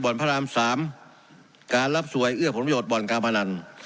บรรณพระรามสามการรับสวยเอื้อผลพยพบรรณกราบพนั่น